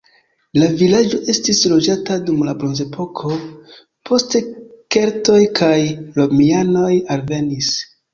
La vilaĝo estis loĝata dum la bronzepoko, poste keltoj kaj romianoj alvenis.